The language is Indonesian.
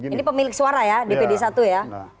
ini pemilik suara ya dpd satu ya